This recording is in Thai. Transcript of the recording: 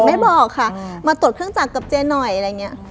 ไม่บอกค่ะมาตรวจเครื่องจักรกับเจ๊หน่อยอะไรอย่างนี้